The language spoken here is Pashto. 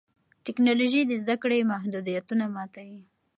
ټیکنالوژي د زده کړې محدودیتونه ماتوي.